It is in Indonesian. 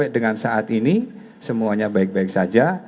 dengan saat ini semuanya baik baik saja